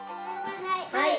はい。